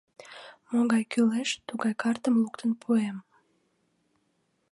Могай кӱлеш, тугай картым луктын пуэм.